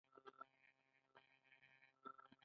د ودې او بدلون مثال.